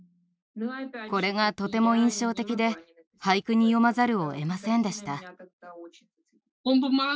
これがとても印象的で俳句に詠まざるをえませんでした。